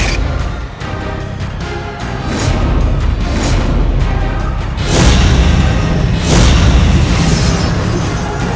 nyai pernah persis